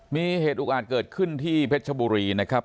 มีเหตุอุกอาจเกิดขึ้นที่เพชรชบุรีนะครับ